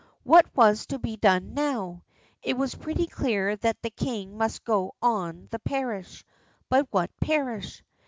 What was to be done now? It was pretty clear that the king must go on the parish. But what parish?